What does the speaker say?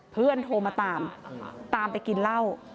เพื่อนโทรมาตามตามไปกินเหล้า